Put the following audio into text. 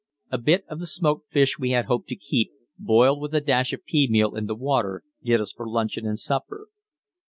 A bit of the smoked fish we had hoped to keep, boiled with a dash of pea meal in the water, did us for luncheon and supper.